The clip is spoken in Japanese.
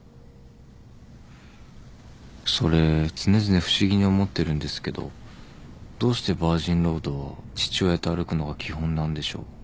それ常々不思議に思ってるんですけどどうしてバージンロードは父親と歩くのが基本なんでしょう？